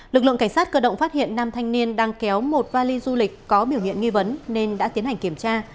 lực lượng cảnh sát cơ động phát hiện năm thanh niên đang kéo một vali du lịch có biểu hiện nghi vấn nên đã tiến hành kiểm tra